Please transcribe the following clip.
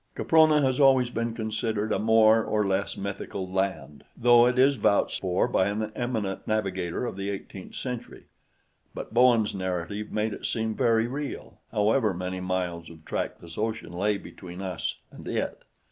Caprona has always been considered a more or less mythical land, though it is vouched for by an eminent navigator of the eighteenth century; but Bowen's narrative made it seem very real, however many miles of trackless ocean lay between us and it.